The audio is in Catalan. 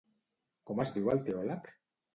Com es diu el teòleg?